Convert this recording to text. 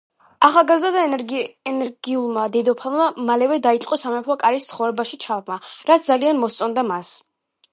ახალგაზრდა და ენერგიულმა დედოფალმა მალევე დაიწყო სამეფო კარის ცხოვრებაში ჩაბმა, რაც ძალიან მოსწონდა მას.